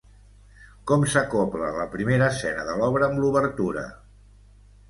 Com s'acobla la primera escena de l'obra amb l'obertura?